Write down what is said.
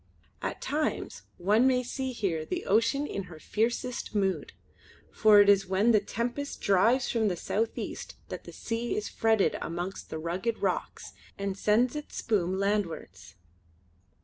At times one may see here the ocean in her fiercest mood; for it is when the tempest drives from the south east that the sea is fretted amongst the rugged rocks and sends its spume landwards.